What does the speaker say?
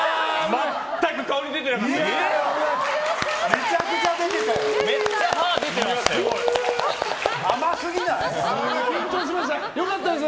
全く顔に出てなかったですよ。